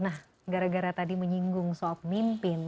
nah gara gara tadi menyinggung soal pemimpin